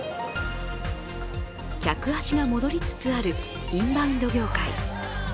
客足が戻りつつあるインバウンド業界。